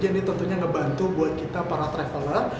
jadi tentunya ngebantu buat kita para traveler